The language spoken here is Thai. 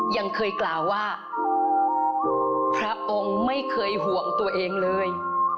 ยังเคยกล่าวว่าพระองค์ไม่เคยห่วงตัวเองเลย